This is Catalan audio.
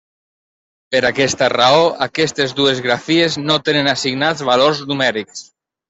Per aquesta raó aquestes dues grafies no tenen assignats valors numèrics.